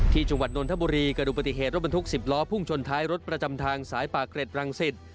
จังหวัดนนทบุรีกระดูกปฏิเหตุรถบรรทุก๑๐ล้อพุ่งชนท้ายรถประจำทางสายป่าเกร็ดรังสิต